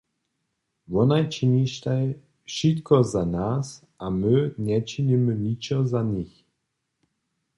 Wonaj činitaj wšitko za nas a my nječinimy ničo za nich.